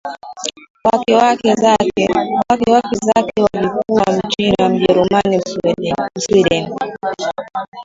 wake Wake zake walikuwa Mchina Mjerumani Msweden